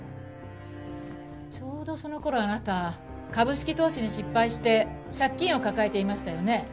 ちょうどその頃あなた株式投資に失敗して借金を抱えていましたよね？